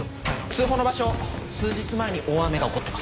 通報の場所数日前に大雨が起こってます。